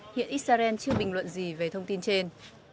hiện israel chưa bình luận gì về thông tin trên